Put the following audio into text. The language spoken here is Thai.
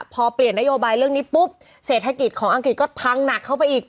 พอเปลี่ยนนโยบายเรื่องนี้ปุ๊บเศรษฐกิจของอังกฤษก็พังหนักเข้าไปอีก